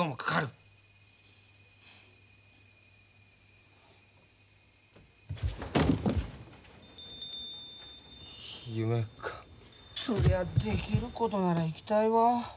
そりゃできることなら行きたいわ。